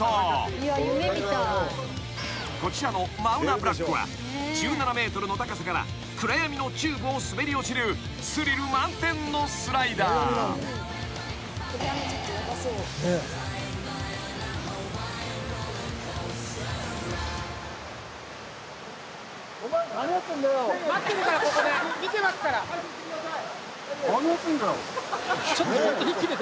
［こちらのマウナブラックは１７ｍの高さから暗闇のチューブを滑り落ちるスリル満点のスライダー］早く行ってください。